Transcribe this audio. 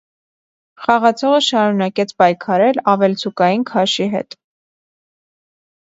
Խաղացողը շարունակեց պայքարել ավելցուկային քաշի հետ։